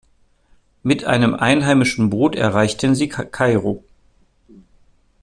Mit einem einheimischen Boot erreichten sie Kairo.